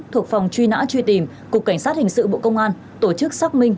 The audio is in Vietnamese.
thuộc phòng truy nã truy tìm cục cảnh sát hình sự bộ công an tổ chức xác minh